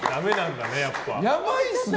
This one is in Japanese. やばいですね。